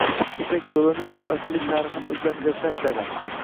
Buyuk Ipak yoʻlining koʻp asrlik tarixini oʻzida mujassam etadi.